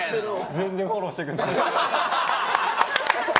全然フォローしてくれない。